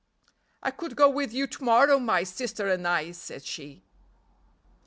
"I could go with you to morrow, my sister and I," said she.